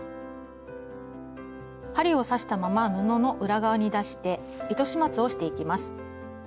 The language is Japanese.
針を刺したまま布の裏側に出して糸始末をしていきます。